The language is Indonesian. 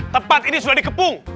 tempat ini sudah di kepung